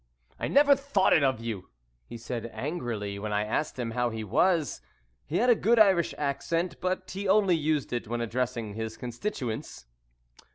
"] "I never thought it of you!" he said angrily, when I asked him how he was. He had a good Irish accent, but he only used it when addressing his constituents.